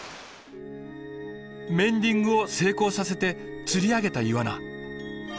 メンディングを成功させて釣り上げたイワナ。